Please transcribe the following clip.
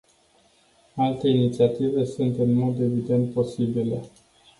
Alte inițiative sunt în mod evident posibile.